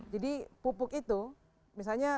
jadi pupuk itu misalnya